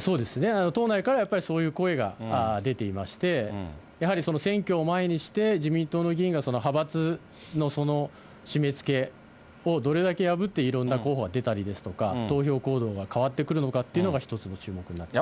そうですね、党内からやっぱりそういう声が出ていまして、やはり選挙を前にして、自民党の議員がその派閥の締めつけをどれだけ破って、いろんな候補が出たりですとか、投票行動が変わってくるのかというのが１つの注目になってます。